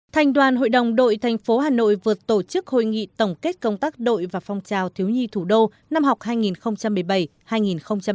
thành đoàn hội đồng đội thành phố hà nội vừa tổ chức hội nghị tổng kết công tác đội và phong trào thiếu nhi thủ đô năm học hai nghìn một mươi bảy hai nghìn một mươi tám